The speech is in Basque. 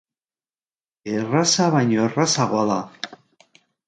Erraza baino errazagoa da!